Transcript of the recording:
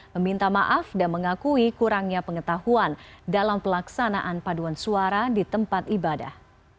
meminta maaf dan mengakui kurangnya pengetahuan dalam pelaksanaan paduan suara di tempat ibadah